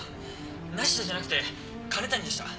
ナシダじゃなくて庚申谷でした。